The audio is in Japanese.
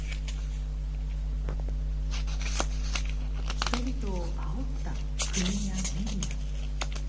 人々をあおった国やメディア。